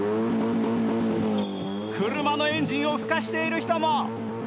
車のエンジンをふかしている人も。